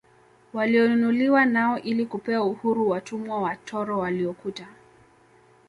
Walionunuliwa nao ili kupewa uhuru watumwa watoro waliokuta